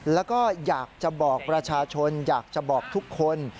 แล้วก็อยากจะบอกประชาชนอยากจะบอกทุกคน